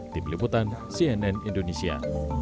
di peliputan cnn indonesia